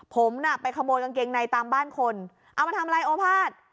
ผมน่ะไปขโมยกางเกงในตามบ้านคนเอามาทำลายโอภาษ